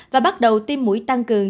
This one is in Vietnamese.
và bắt đầu tiêm mũi tăng cường